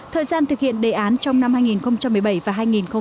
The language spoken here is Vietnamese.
thời gian thực hiện đề án trong năm hai nghìn một mươi bảy và hai nghìn một mươi chín